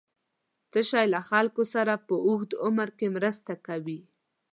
څه شی له خلکو سره په اوږد عمر کې مرسته کوي؟